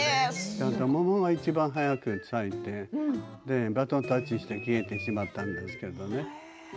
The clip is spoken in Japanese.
桃がいちばん早く咲いてバトンタッチして消えてしまったんですけどね。